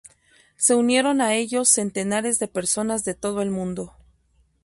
Se unieron a ellos centenares de personas de todo el Mundo.